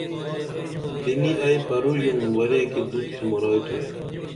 بِنی ائی پرُژُم ورے کی دُت سُمُرائی تُھوپ